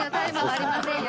ありませんよ。